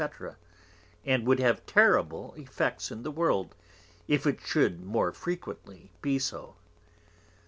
_ and would have terrible Effects in the World, if it should more frequently be so.